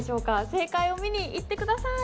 正解を見に行って下さい。